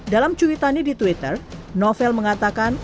dalam cuitannya di twitter novel mengatakan